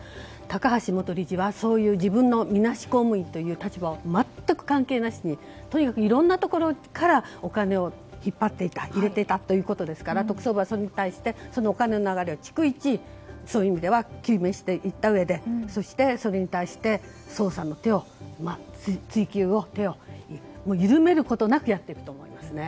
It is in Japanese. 高橋元理事はそういう自分のみなし公務員という立場を全く関係なしにとにかくいろんなところからお金を引っ張っていた入れていたということですから特捜部はそれに対してそのお金の流れを逐一そういう意味では究明していったうえでそして、それに対して捜査の追及の手を緩めることなくやってきたと思います。